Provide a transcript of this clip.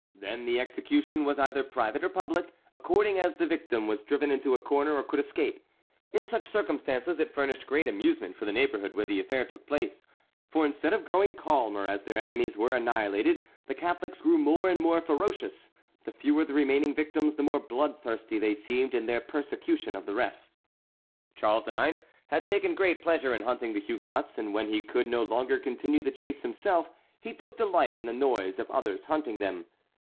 Then the execution was either private or public according as the victim was driven into a corner or could escape. In such circumstances it furnished great amusement for the neighborhood where the affair took place; for instead of growing calmer as their enemies were annihilated, the Catholics grew more and more ferocious; the fewer the remaining victims, the more bloodthirsty they seemed in their persecution of the rest. Charles IX. had taken great pleasure in hunting the Huguenots, and when he could no longer continue the chase himself he took delight in the noise of others hunting them.